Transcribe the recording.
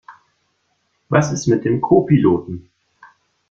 Was ist mit dem Co-Piloten?